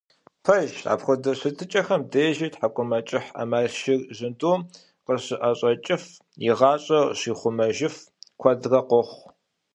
Пэжщ, апхуэдэ щытыкIэхэм дежи тхьэкIумэкIыхь Iэмалшыр жьындум къыщыIэщIэкIыф, и гъащIэр щихъумэжыф куэдрэ къохъу.